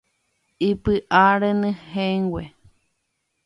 ¡Ipyʼa renyhẽngue!